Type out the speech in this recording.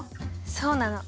そうなの。